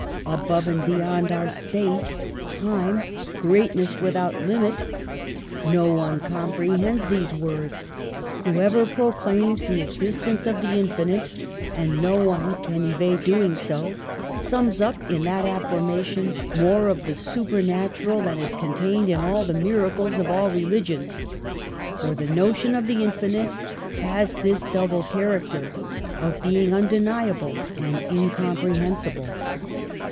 Above and beyond, are space, time, greatness without limit. No one compre hends these words. Whoever proclaims the ex 142 PASTEUR istence of the infinite, and no one can evade doing so, sums up in that affirmation more of the supernatural than is contained in all the miracles of all religions; for the notion of the infinite has this double character, of being un deniable and incomprehensible.